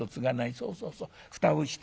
そうそうそう蓋をして。